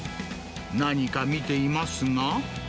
何か見ていますが。